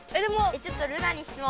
ちょっとルナに質問。